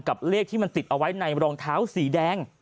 เลขที่มันติดเอาไว้ในรองเท้าสีแดง